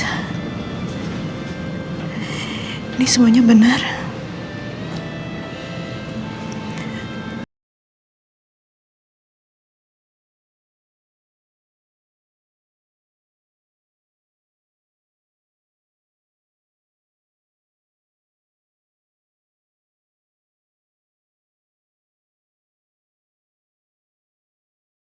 karena anak dua movimu